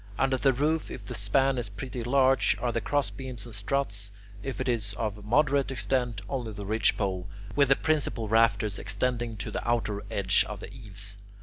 Under the roof, if the span is pretty large, are the crossbeams and struts; if it is of moderate extent, only the ridgepole, with the principal rafters extending to the outer edge of the eaves.